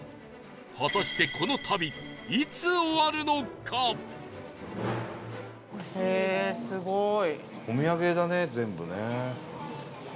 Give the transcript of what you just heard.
果たしてこの旅いつ終わるのか？へえーすごい。